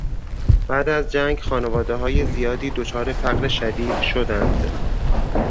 بعد از جنگ خانوادههای زیادی دچار فقر شدید شدند.